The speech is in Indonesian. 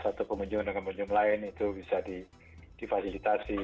satu pemunjung dengan pemunjung lain itu bisa difasilitasi